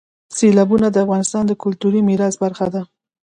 سیلابونه د افغانستان د کلتوري میراث برخه ده.